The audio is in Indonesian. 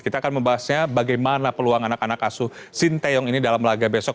kita akan membahasnya bagaimana peluang anak anak asuh sinteyong ini dalam laga besok